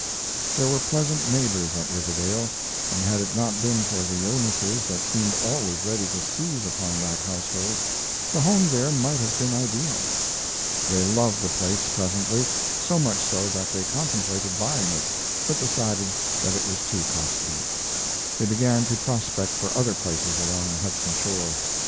There were pleasant neighbors at Riverdale, and had it not been for the illnesses that seemed always ready to seize upon that household the home there might have been ideal. They loved the place presently, so much so that they contemplated buying it, but decided that it was too costly. They began to prospect for other places along the Hudson shore.